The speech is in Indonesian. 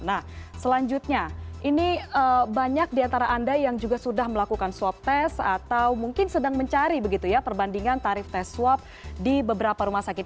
nah selanjutnya ini banyak diantara anda yang juga sudah melakukan swab test atau mungkin sedang mencari begitu ya perbandingan tarif tes swab di beberapa rumah sakit